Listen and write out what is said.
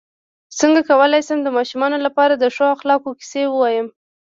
څنګه کولی شم د ماشومانو لپاره د ښو اخلاقو کیسې ووایم